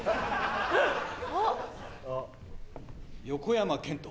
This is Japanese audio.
横山剣と。